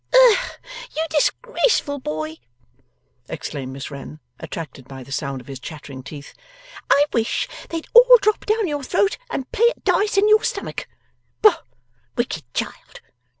'Ugh, you disgraceful boy!' exclaimed Miss Wren, attracted by the sound of his chattering teeth, 'I wish they'd all drop down your throat and play at dice in your stomach! Boh, wicked child!